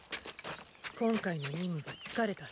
今回の任務は疲れた。